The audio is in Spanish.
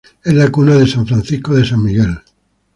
Es la cuna de San Francisco de San Miguel.